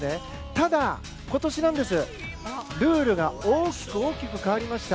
ただ、今年はルールが大きく変わりました。